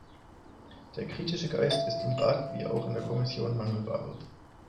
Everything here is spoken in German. Der kritische Geist ist im Rat wie auch in der Kommission Mangelware.